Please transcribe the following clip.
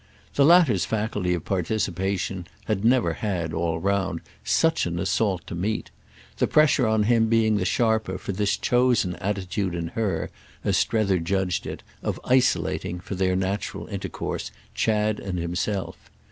The latter's faculty of participation had never had, all round, such an assault to meet; the pressure on him being the sharper for this chosen attitude in her, as Strether judged it, of isolating, for their natural intercourse, Chad and himself.